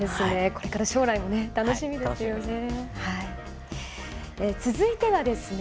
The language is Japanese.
これからの将来も楽しみですね。